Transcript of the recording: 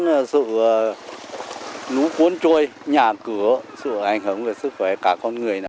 đe dọa sự nú cuốn trôi nhà cửa sự ảnh hưởng về sức khỏe cả con người